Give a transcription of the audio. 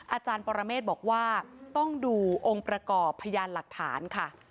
อาจารย์ปรเมฆบอกว่าต้องดูองค์ประกอบพยานหลักฐานค่ะ